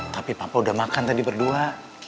tapi papa udah makan tadi berdua